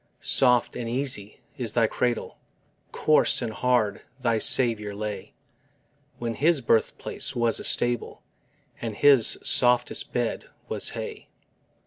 Soft and easy is thy cradle: Coarse and hard thy Saviour lay, When His birthplace was a stable And His softest bed was hay.